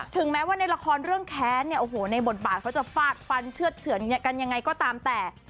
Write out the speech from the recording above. ถึงแม้ว่าในละครเรื่องแค้นเนี่ยโอ้โหในบทบาทเขาจะฟาดฟันเชื่อดเฉือนกันยังไงก็ตามแต่